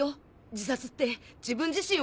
自殺って自分自身を殺す。